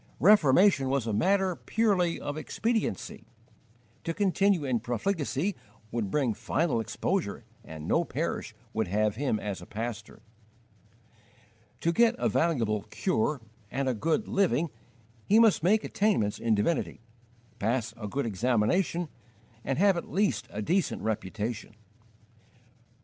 Reformation was a matter purely of expediency: to continue in profligacy would bring final exposure, and no parish would have him as a pastor. To get a valuable "cure" and a good "living" he must make attainments in divinity, pass a good examination, and have at least a decent reputation.